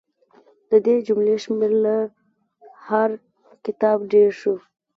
د دې جملو شمېر له هر کتاب ډېر شو.